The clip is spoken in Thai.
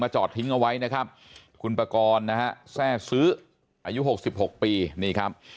จอดทิ้งเอาไว้นะครับคุณปากรนะฮะแทร่ซื้ออายุ๖๖ปีนี่ครับ